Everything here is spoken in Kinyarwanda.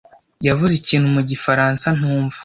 yavuze ikintu mu gifaransa ntumva.